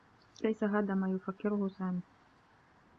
ليس هذا ما يفكّره سامي.